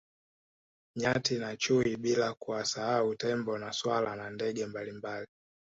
Nyati na chui bila kuwasahau tembo na swala na ndege mbalimbali